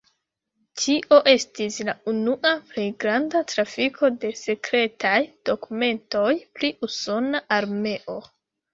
Tio estis la unua plej granda trafiko de sekretaj dokumentoj pri usona armeo.